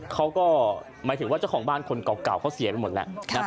เขาก็หมายถึงว่าเจ้าของบ้านคนเก่าเขาเสียไปหมดแล้ว